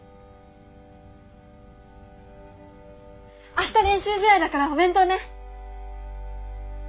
明日練習試合だからお弁当ね！